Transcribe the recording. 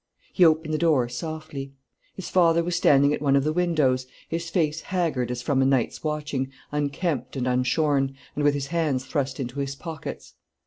He opened the door softly. His father was standing at one of the windows, his face haggard as from a night's watching, unkempt and unshorn, and with his hands thrust into his pockets.